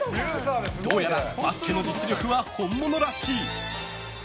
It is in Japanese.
どうやらバスケの実力は本物らしい。